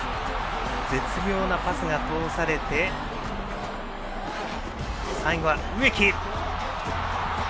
絶妙なパスが通されて最後は植木！